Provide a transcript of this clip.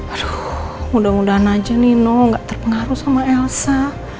aduh mudah mudahan aja nino nggak terpengaruh sama elsa